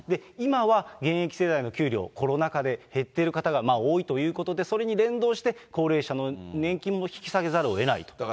今は現役世代の給料、コロナ禍で減っている方が多いということで、それに連動して高齢者の年金も引き下げざるをえないと。